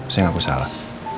saya gak usah salah